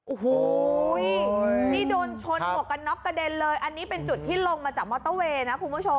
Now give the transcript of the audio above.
โอ้โหนี่โดนชนหมวกกันน็อกกระเด็นเลยอันนี้เป็นจุดที่ลงมาจากมอเตอร์เวย์นะคุณผู้ชม